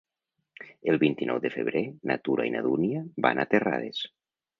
El vint-i-nou de febrer na Tura i na Dúnia van a Terrades.